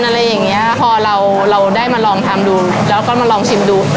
อะไรอย่างเงี้ยพอเราเราได้มาลองทำดูแล้วก็มาลองชิมดู